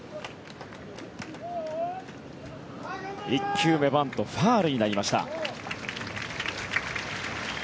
１球目、バントファウルになりました。